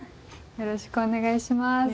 よろしくお願いします。